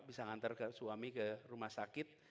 bisa mengantar suami ke rumah sakit